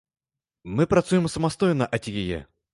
Мы працуем самастойна ад яе.